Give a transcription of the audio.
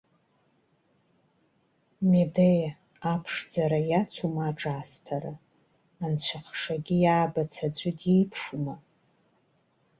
Медеиа, аԥшӡара иацума аҿаасҭара, анцәахшагьы иаабац аӡәы диеиԥшума?!